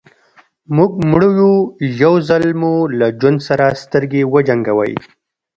موږ مړه يو يو ځل مو له ژوند سره سترګې وجنګوئ.